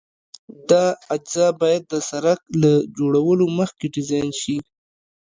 دا اجزا باید د سرک له جوړولو مخکې ډیزاین شي